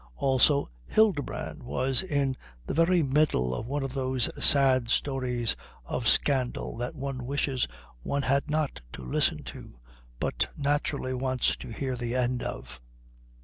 Also Hildebrand was in the very middle of one of those sad stories of scandal that one wishes one had not to listen to but naturally wants to hear the end of.